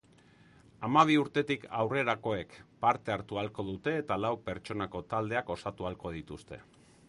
Hamabi urtetik aurrerakoek parte hartu ahalko dute eta lau pertsonako taldeak osatu ahalko dituzte.